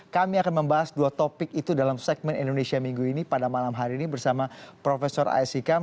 kami akan membahas dua topik itu dalam segmen indonesia minggu ini pada malam hari ini bersama prof ais hikam